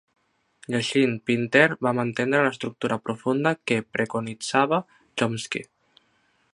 Llegint Pinter vam entendre l'estructura profunda que preconitzava Chomsky.